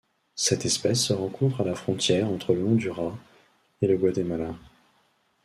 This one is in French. Cette espèce se rencontre à la frontière entre le Honduras et le Guatemala.